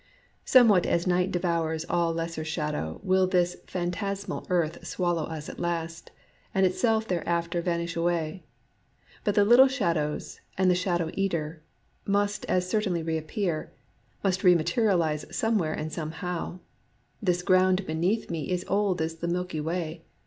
Somewhat as Night devours all lesser shadow will this phantasmal earth swallow us at last, and itself thereafter vanish away. But the little shadows and the Shadow Eater must as certainly reappear, — must rematerialize some where and somehow. This ground beneath me is old as the Milky Way.